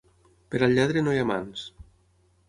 Per al lladre no hi ha mans.